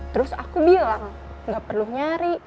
terus aku bilang gak perlu nyari